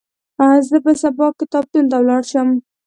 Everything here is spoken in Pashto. زه به سبا کتابتون ته ولاړ شم.